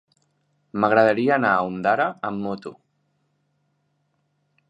M'agradaria anar a Ondara amb moto.